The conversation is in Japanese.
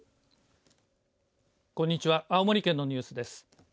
こんにちは青森県のニュースです。